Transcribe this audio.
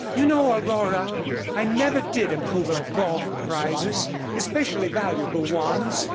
"You know, Aurora, I never did approve of golf prizes especially valuable ones.